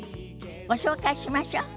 ご紹介しましょ。